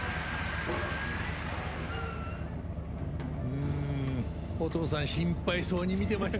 うんお父さん心配そうに見てましたね。